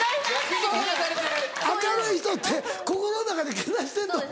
明るい人って心の中でけなしてるの？